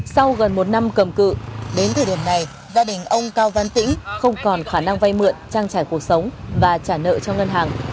sau gần một năm cầm cự đến thời điểm này gia đình ông cao văn tĩnh không còn khả năng vay mượn trang trải cuộc sống và trả nợ cho ngân hàng